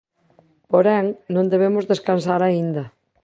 Porén, no debemos descansar aínda.